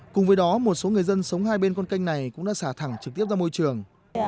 cùng với đó một số người dân sống hai bên con canh này cũng đã xả thẳng trực tiếp ra môi trường